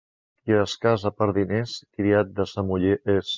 Qui es casa per diners, criat de sa muller és.